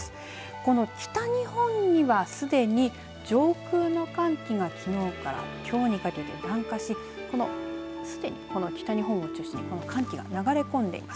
この北日本にはすでに上空の寒気がきのうからきょうにかけて南下しこの、すでにこの北日本を中心に寒気が流れ込んでいます。